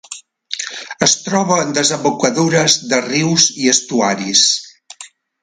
Es troba en desembocadures de rius i estuaris.